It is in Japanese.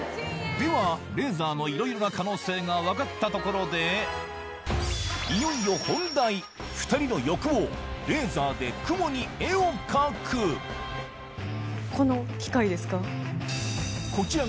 ではレーザーの色々な可能性が分かったところでいよいよ本題２人の欲望レーザーで雲に絵を描くこの機械ですか？